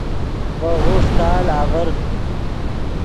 ڤے غوݰ تال آڤر